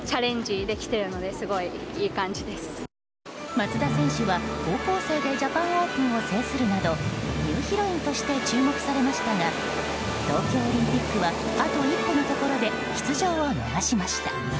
松田選手は、高校生でジャパンオープンを制するなどニューヒロインとして注目されましたが東京オリンピックはあと一歩のところで出場を逃しました。